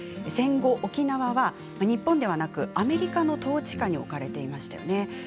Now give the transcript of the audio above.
戦後、沖縄は日本ではなくアメリカの統治下に置かれていましたよね。